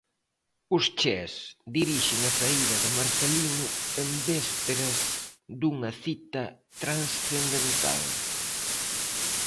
Os chés dixiren a saída de Marcelino en vésperas dunha cita transcendental.